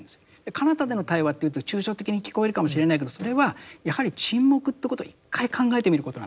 かなたでの対話というと抽象的に聞こえるかもしれないけどそれはやはり沈黙ということを一回考えてみることなんだ。